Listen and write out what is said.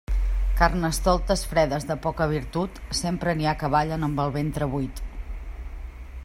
Carnestoltes fredes de poca virtut, sempre n'hi ha que ballen amb el ventre buit.